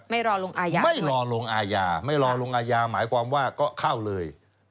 รอลงอาญาไม่รอลงอาญาไม่รอลงอาญาหมายความว่าก็เข้าเลย